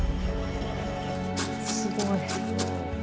すごい。